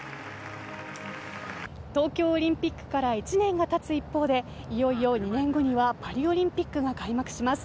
東京オリンピックから１年がたつ一方でいよいよ２年後にはパリオリンピックが開幕します。